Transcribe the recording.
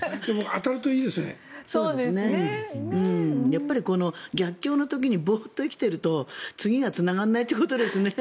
やっぱり逆境の時にボーッと生きていると次がつながらないということですね。